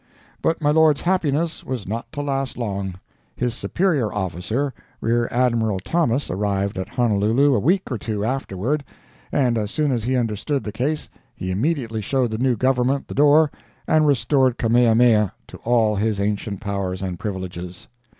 But my lord's happiness was not to last long. His superior officer, Rear Admiral Thomas, arrived at Honolulu a week or two afterward, and as soon as he understood the case he immediately showed the new Government the door and restored Kamehameha to all his ancient powers and privileges.